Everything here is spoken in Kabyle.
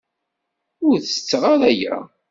Ur tetteɣ ara aya.